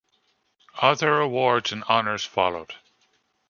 Other awards and honors followed.